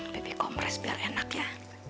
bebek kompres biar enak ya